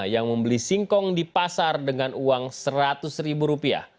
yang membeli singkong di pasar dengan uang seratus ribu rupiah